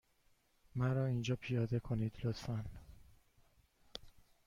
مرا اینجا پیاده کنید، لطفا.